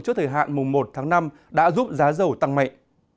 trước thời hạn mùng một tháng năm đã giúp giá dầu tăng mạnh